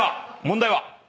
問題は？